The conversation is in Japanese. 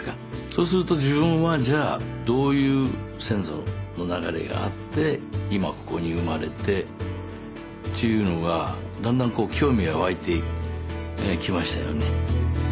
そうすると自分はじゃあどういう先祖の流れがあって今ここに生まれてっていうのがだんだん興味が湧いてきましたよね。